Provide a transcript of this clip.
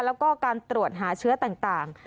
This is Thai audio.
แล้วก็การตรวจหาเชื้อต่าง